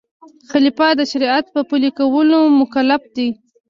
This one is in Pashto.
خلیفه د شریعت په پلي کولو مکلف دی.